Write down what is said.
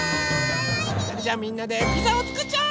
じゃあみんなでピザをつくっちゃおう！